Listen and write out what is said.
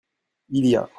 Il y a.